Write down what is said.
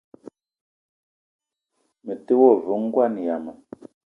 Me te wa ve ngoan yama.